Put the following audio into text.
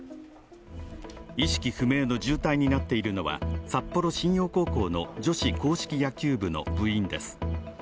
意識不明の重体になっているのは札幌新陽高校の女子硬式野球部の部員です。